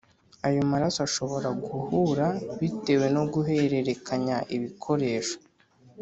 ayo maraso ashobora guhura bitewe no guhererekanya ibikoresho